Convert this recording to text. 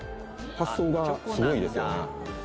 発想がすごいですよね